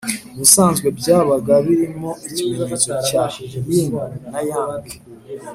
ubusanzwe byabaga biriho ikimenyetso cya yin na yang